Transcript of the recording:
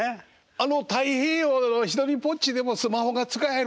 あの太平洋をひとりぼっちでもスマホが使える？